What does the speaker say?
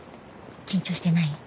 緊張してない？